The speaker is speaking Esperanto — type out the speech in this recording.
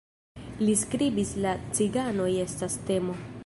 Li skribis "La ciganoj estas temo.